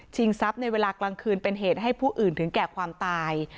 ทรัพย์ในเวลากลางคืนเป็นเหตุให้ผู้อื่นถึงแก่ความตาย